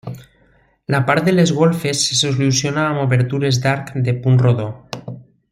La part de les golfes se soluciona amb obertures d'arc de punt rodó.